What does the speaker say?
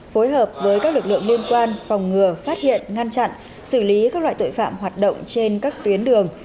phối hợp với các lực lượng liên quan phòng ngừa phát hiện ngăn chặn xử lý các loại tội phạm hoạt động trên các tuyến đường